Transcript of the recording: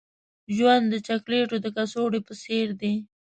ژوند د چاکلیټو د کڅوړې په څیر دی.